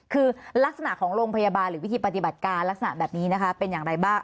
คือลักษณะของโรงพยาบาลหรือวิธีปฏิบัติการลักษณะแบบนี้นะคะเป็นอย่างไรบ้าง